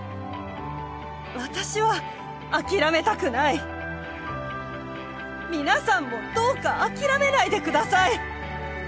私は諦めたくない皆さんもどうか諦めないでください